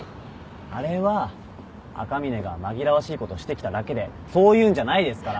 あれは赤嶺が紛らわしいことしてきただけでそういうんじゃないですから。